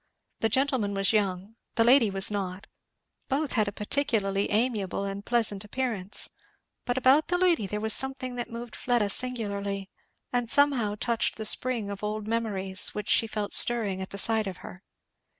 The gentleman was young, the lady was not, both had a particularly amiable and pleasant appearance; but about the lady there was something that moved Fleda singularly and somehow touched the spring of old memories, which she felt stirring at the sight of her.